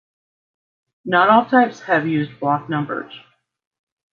Not all types have used block numbers.